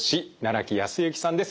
木康之さんです。